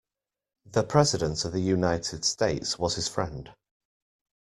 The President of the United States was his friend.